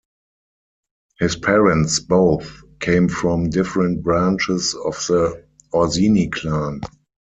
His parents both came from different branches of the Orsini clan.